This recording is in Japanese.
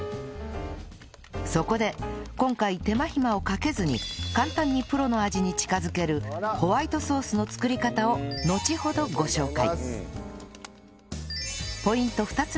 そこで今回手間暇をかけずに簡単にプロの味に近づけるホワイトソースの作り方をのちほどご紹介